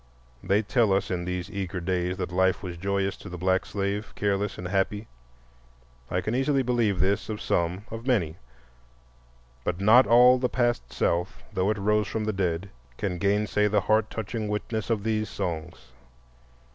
They tell us in these eager days that life was joyous to the black slave, careless and happy. I can easily believe this of some, of many. But not all the past South, though it rose from the dead, can gainsay the heart touching witness of these songs.